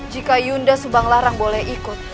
jika yunda subang larang boleh ikut